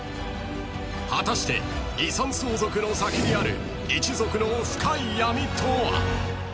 ［果たして遺産相続の先にある一族の深い闇とは？］